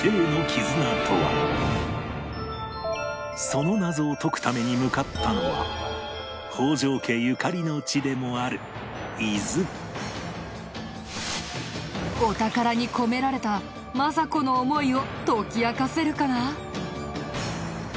その謎を解くために向かったのはお宝に込められた政子の思いを解き明かせるかな？